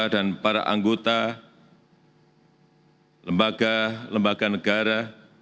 dan para anggota lembaga lembaga negara